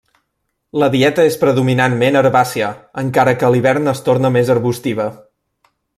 La dieta és predominantment herbàcia, encara que a l'hivern es torna més arbustiva.